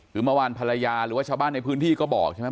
คือเมื่อวานภรรยาหรือว่าชาวบ้านในพื้นที่ก็บอกใช่ไหม